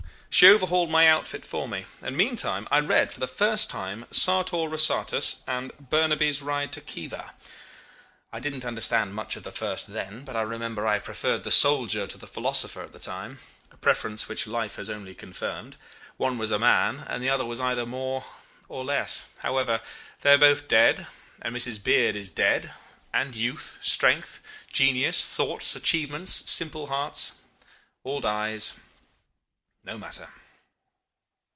She overhauled my outfit for me, and meantime I read for the first time Sartor Resartus and Burnaby's Ride to Khiva. I didn't understand much of the first then; but I remember I preferred the soldier to the philosopher at the time; a preference which life has only confirmed. One was a man, and the other was either more or less. However, they are both dead, and Mrs. Beard is dead, and youth, strength, genius, thoughts, achievements, simple hearts all dies .... No matter.